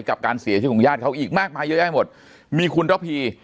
กับการเสียชีวิตของญาติเขาอีกมากมายเยอะแยะหมดมีคุณระพี